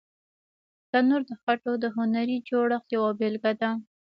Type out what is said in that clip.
تنور د خټو د هنري جوړښت یوه بېلګه ده